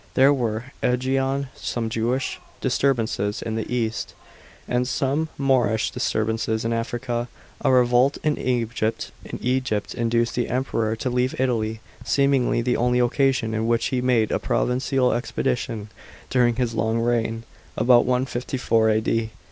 There were, ajiain, some Jewish disturbances in the east, and some Moorish disturbances in Africa. A revolt in Egypt induced the Emperor to leave Italy, seemingly the only occasion on which he made a provincial expedition during his long reign (about 154 A.D.).